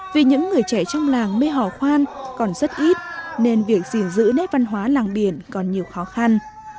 vì những người trẻ trong làng mê hò khoan còn rất ít nên việc gìn giữ nét văn hóa làng biển còn nhiều khó khăn